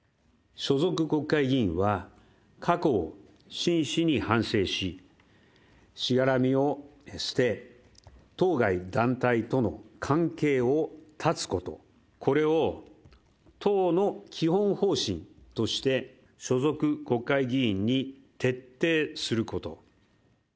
所属国会議員は過去を真摯に反省し、しがらみを捨て、当該団体との関係を断つこと、これを党の基本方針として、所属国会議員に徹底すること。